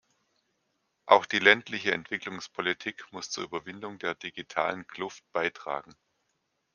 Auch die ländliche Entwicklungspolitik muss zur Überwindung der digitalen Kluft beitragen.